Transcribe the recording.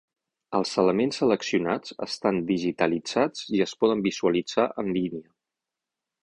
Els elements seleccionats estan digitalitzats i es poden visualitzar en línia.